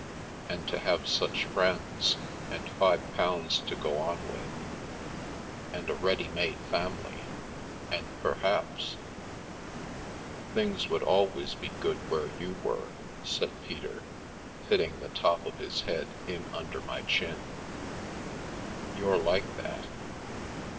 And to have such friends — and £5 to go dn with — and a ready made family — and perhaps "" Things would always be good where you were," said Peter, fitting the top of his head in under my chin; "you're like that.